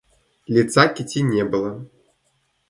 Лица Кити не было.